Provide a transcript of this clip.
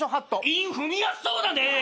韻踏みやすそうだね！